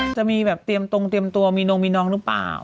จะมีแบบเตรียมตรงเตรียมตัวมีนงมีน้องหรือเปล่า